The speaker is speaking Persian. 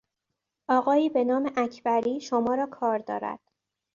آقایی به نام اکبری شما را کار دارد.